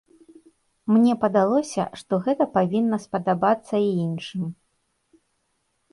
Мне падалося, што гэта павінна спадабаецца і іншым.